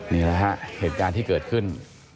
นี่แหละฮะเหตุการณ์ที่เกิดขึ้น